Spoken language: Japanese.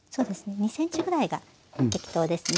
２ｃｍぐらいが適当ですね。